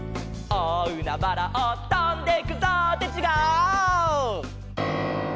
「おおうなばらをとんでくぞ」ってちがう！